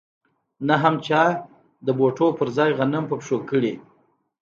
نه هم چا د بوټانو پر ځای غنم په پښو کړي